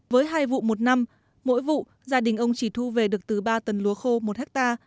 với hai vụ một năm mỗi vụ gia đình ông chỉ thu về được từ ba tầng lúa khô một ha